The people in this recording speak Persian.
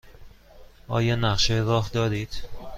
آیا نقشه راه دارید؟